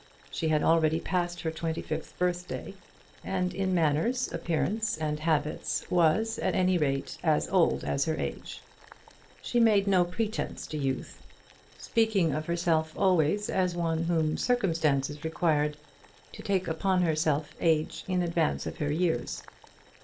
She had already passed her twenty fifth birthday, and in manners, appearance, and habits was, at any rate, as old as her age. She made no pretence to youth, speaking of herself always as one whom circumstances required to take upon herself age in advance of her years.